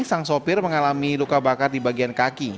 sang sopir mengalami luka bakar di bagian kaki